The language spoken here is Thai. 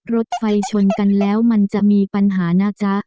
รถไฟชนกันแล้วมันจะมีปัญหานะจ๊ะ